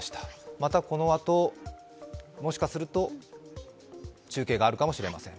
またこのあと、もしかすると、中継があるかもしれません。